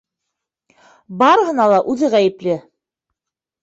Барыһына ла үҙе ғәйепле.